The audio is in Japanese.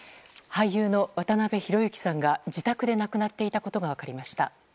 俳優の渡辺裕之さんが自宅で亡くなっていたことが分かりました。